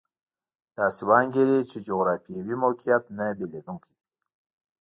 داسې وانګېري چې جغرافیوي موقعیت نه بدلېدونکی دی.